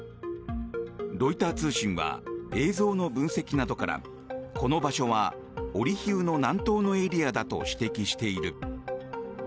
ロイター通信は映像の分析などからこの場所はオリヒウの南東のエリアだと指摘している。